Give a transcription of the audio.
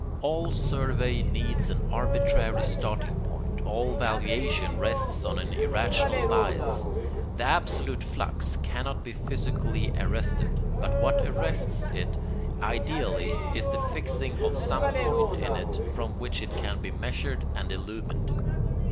All survey needs an arbitrary starting point; all valuation rests on an irrational bias. The absolute flux cannot be physically arrested; but what arrests it ideally is the fixing of some point in it from which it can be measured and illumined.